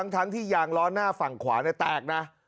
ทั้งที่ยางล้อหน้าฝั่งขวาแตกนะ